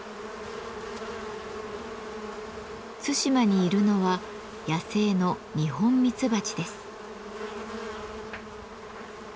対馬にいるのは野生の二ホンミツバチです。